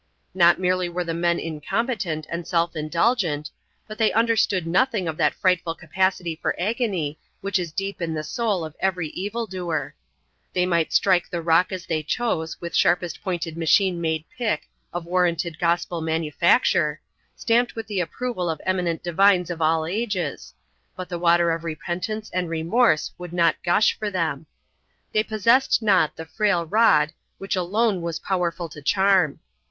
Not merely were the men incompetent and self indulgent, but they understood nothing of that frightful capacity for agony which is deep in the soul of every evil doer. They might strike the rock as they chose with sharpest pointed machine made pick of warranted Gospel manufacture, stamped with the approval of eminent divines of all ages, but the water of repentance and remorse would not gush for them. They possessed not the frail rod which alone was powerful to charm.